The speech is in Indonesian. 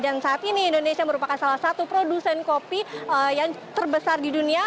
dan saat ini indonesia merupakan salah satu produsen kopi yang terbesar di dunia